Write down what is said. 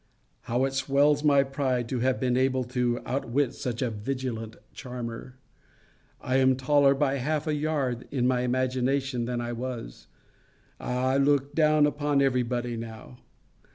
How it swells my pride, to have been able to outwit such a vigilant charmer! I am taller by half a yard in my imagination than I was. I look down upon every body now.